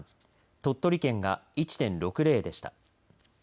鳥取県が１．６０でした。